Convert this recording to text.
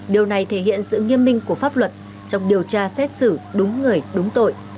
điều này thể hiện sự nghiêm minh của pháp luật trong điều tra xét xử đúng người đúng tội